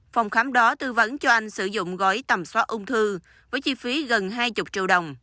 phòng khám đó tư vấn cho anh sử dụng gói tầm soát ung thư với chi phí gần hai mươi triệu đồng